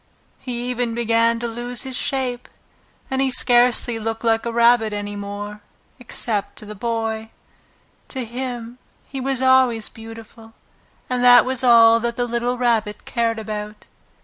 He even began to lose his shape, and he scarcely looked like a rabbit any more, except to the Boy. To him he was always beautiful, and that was all that the little Rabbit cared about.